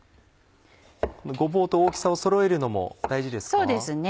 ごぼうと大きさをそろえるのも大事ですか？